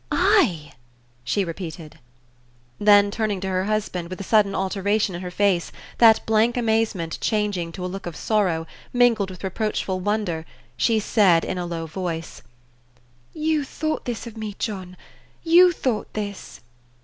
"I!" she repeated. Then turning to her husband, with a sudden alteration in her face, that blank amazement changing to a look of sorrow, mingled with reproachful wonder, she said, in a low voice: "You thought this of me, John; you thought this!"